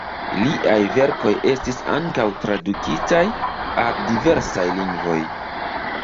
Liaj verkoj estis ankaŭ tradukitaj al diversaj lingvoj.